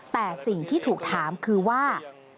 แต่สิ่งที่ถูกถามคือว่า